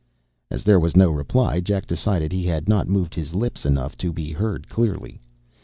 As there was no reply, Jack decided he had not moved his lips enough to be heard clearly.